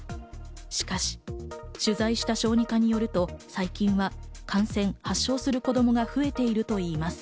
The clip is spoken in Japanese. しかし、取材した小児科によると最近は感染発症する子供が増えているといいます。